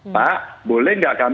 pak boleh nggak kami